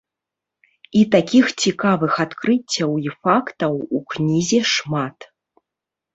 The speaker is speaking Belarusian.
І такіх цікавых адкрыццяў і фактаў у кнізе шмат.